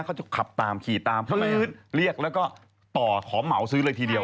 เขาจะขับตามขี่ตามเขาเลยเรียกแล้วก็ต่อขอเหมาซื้อเลยทีเดียว